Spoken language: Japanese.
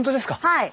はい。